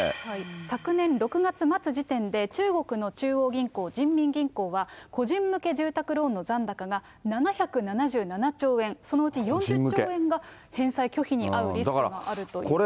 昨年６月末時点で、中国の中央銀行、人民銀行は、個人向け住宅ローンの残高が７７７兆円、そのうち４０兆円が返済拒否にあうリスクがあるということです。